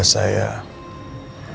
bisa secepatnya sembuh